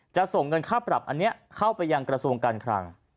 จะส่งเงินค่าปรับอันนี้เข้าไปยังกระทรวงการคลัง